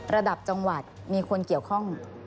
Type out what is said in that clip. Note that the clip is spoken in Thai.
ระดับจังหวัดมีคนเกี่ยวข้อง